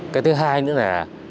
cái thứ hai nữa là